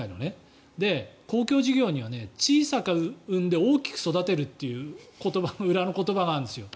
公共事業には小さく生んで大きく育てるっていう裏の言葉があるんですよ。